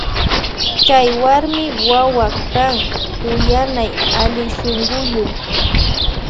Chay warmi wawa kan kuyanay allishunkuyuk.